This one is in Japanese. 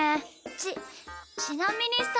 ちちなみにさ